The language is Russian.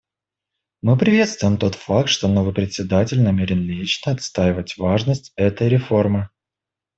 Мы приветствуем тот факт, что новый Председатель намерен лично отстаивать важность этой реформы.